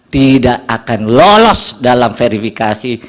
tidak akan lolos dalam verifikasi